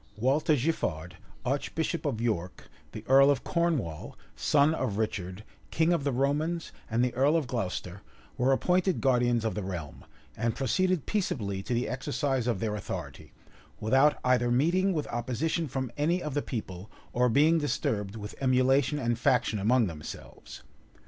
Walter Giffard, archbishop of York, the earl of Cornwall, son of Richard, king of the Romans, and the earl of Glocester, were appointed guardians of the realm, and proceeded peaceably to the exercise of their authority, without either meeting with opposition from any of the people, or being disturbed with emulation and faction among themselves.